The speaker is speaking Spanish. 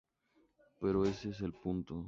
Pero ese es el punto.